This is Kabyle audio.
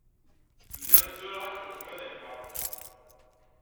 Lliɣ tturarɣ akd ultma g park.